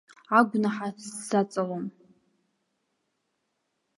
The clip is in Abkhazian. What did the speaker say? Агәнаҳа сзаҵалом.